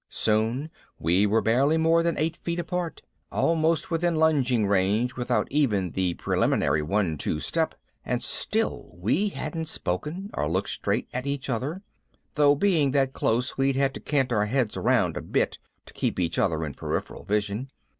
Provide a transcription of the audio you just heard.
Soon we were barely more than eight feet apart, almost within lunging range without even the preliminary one two step, and still we hadn't spoken or looked straight at each other, though being that close we'd had to cant our heads around a bit to keep each other in peripheral vision.